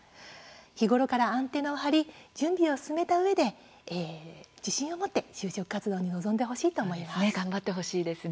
日ごろからアンテナを張り準備を進めたうえで自信を持って就職活動に臨んでほしいと思います。